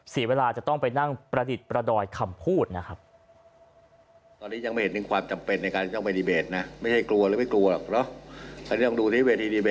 เสียเวลาจะต้องไปนั่งประดิษฐ์ประดอยคำพูดนะครับ